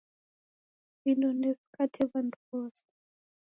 Vindo ndevikate w'andu w'ose.